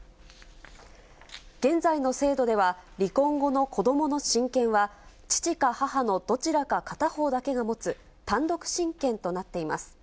現在の制度では、離婚後の子どもの親権は、父か母のどちらか片方だけが持つ、単独親権となっています。